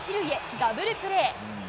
ダブルプレー。